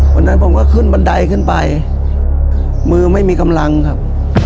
วันนั้นผมก็ขึ้นบันไดขึ้นไปมือไม่มีกำลังครับ